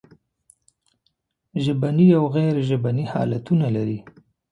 ژبني او غیر ژبني حالتونه لري.